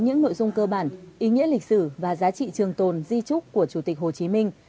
những nội dung cơ bản ý nghĩa lịch sử và giá trị trường tồn di trúc của chủ tịch hồ chí minh